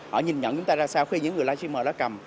họ nhìn nhận chúng ta ra sao khi những người live streamer đó cầm